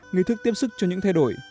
nghi thức tiếp sức cho những thay đổi